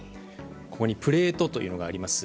プレートというのがあります。